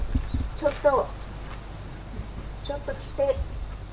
ちょっとちょっと来て。